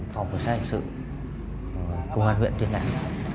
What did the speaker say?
phòng bộ xác định sự công an huyện tiên án